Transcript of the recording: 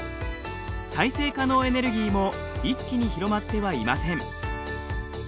再生可能エネルギーも一気に広まってはいません。